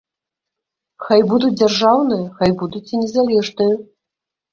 Хай будуць дзяржаўныя, хай будуць і незалежныя.